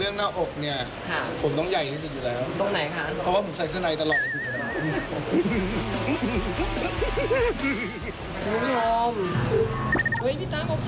ดูแลตัวเองยังไงบ้างครับ